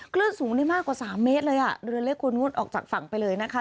คลื่นสูงได้มากกว่าสามเมตรเลยอ่ะเรือเล็กควรงดออกจากฝั่งไปเลยนะคะ